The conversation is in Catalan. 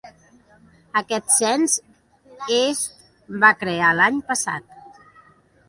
Aquest Cens est va crear l'any passat.